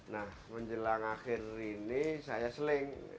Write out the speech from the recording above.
nah menjelang akhir ini saya seling